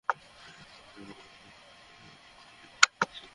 ওই দিন যে মন্দিরে দেখেছিলাম কতো মিষ্টি সুরে গাইছিলো।